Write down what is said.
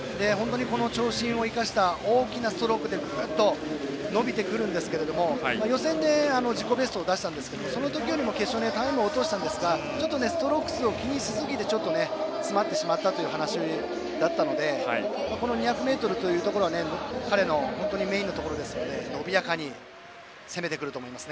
長身を生かした大きなストロークでぐっと伸びてくるんですが予選で自己ベストを出しましたがそのときよりも決勝でタイムを落としたんですがストローク数を気にしすぎてちょっと詰まってしまったという話だったので２００ｍは彼のメインのところですので伸びやかに攻めてくると思います。